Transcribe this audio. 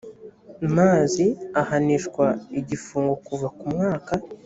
mazi ahanishwa igifungo kuva ku mwaka